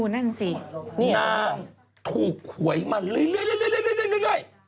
นายถูกศรีมัณฑ์ละละละ